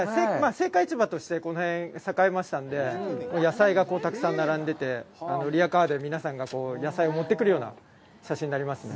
青果市場としてこの辺は栄えましたので、野菜がたくさん並んでて、リアカーで皆さんが野菜を持ってくるような写真になりますね。